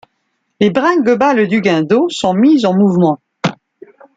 Les bringuebales du guindeau sont mises en mouvement.